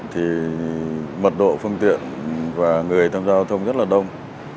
thì mật độ phương tiện và người tham gia giao thông rất là đông